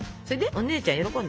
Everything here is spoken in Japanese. お姉ちゃん喜んだ？